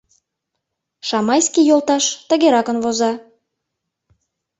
Шамайский йолташ тыгеракын воза: